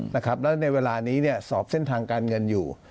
แล้วในเวลานี้สอบเส้นทางการเงินอยู่